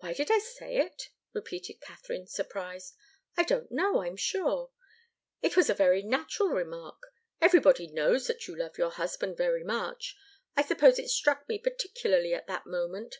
"Why did I say it?" repeated Katharine, surprised. "I don't know, I'm sure. It was a very natural remark. Everybody knows that you love your husband very much. I suppose it struck me particularly at that moment.